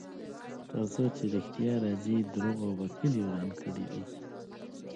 ترڅو چې ریښتیا راځي، دروغو به کلی وران کړی وي.